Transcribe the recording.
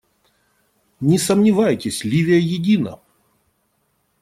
Не сомневайтесь, Ливия едина.